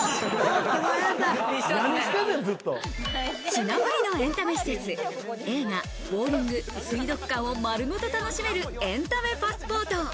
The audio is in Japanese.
品プリのエンタメ施設、映画、ボウリング、水族館を丸ごと楽しめるエンタメパスポート。